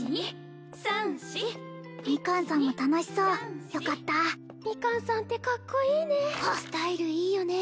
ミカンさんも楽しそうよかったミカンさんってカッコいいねスタイルいいよね